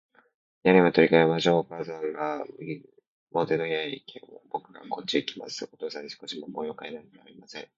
部屋も取り変えましょう。お父さんが表の部屋へいき、ぼくがこっちへきます。お父さんには少しも模様変えなんかありません。